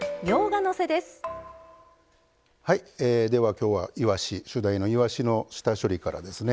はいでは今日はいわし主題のいわしの下処理からですね。